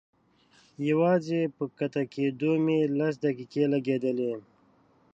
يوازې په کښته کېدو مې لس دقيقې لګېدلې.